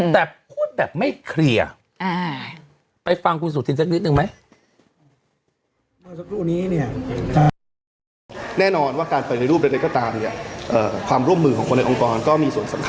แต่พูดแบบไม่เคลียร์ไปฟังคุณสุธินสักนิดนึงไหม